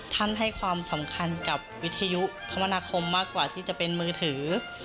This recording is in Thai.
ให้ความสำคัญกับวิทยุคมนาคมมากกว่าที่จะเป็นมือถือ